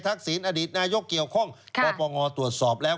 ทักษิณอดิตนายกเกี่ยวข้องกับประงอตรวจสอบแล้ว